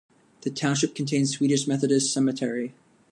The township contains Swedish Methodist Cemetery.